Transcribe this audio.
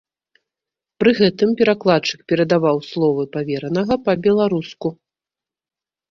Пры гэтым перакладчык перадаваў словы паверанага па-беларуску.